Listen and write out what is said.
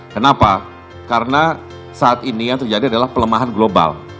kenapa karena saat ini yang terjadi adalah pelemahan global